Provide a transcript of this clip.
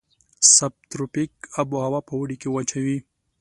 سب تروپیک آب هوا په اوړي کې وچه وي.